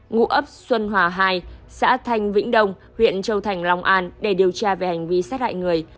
ngụ ấp xuân hòa hai xã thanh vĩnh đông huyện châu thành long an để điều tra về hành vi sát hại người